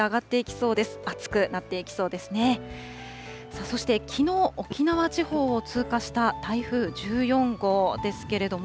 そしてきのう、沖縄地方を通過した台風１４号ですけれども、